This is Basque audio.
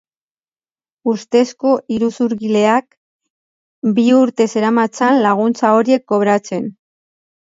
Ustezko iruzurgileak bi urte zeramatzan laguntza horiek kobratzen.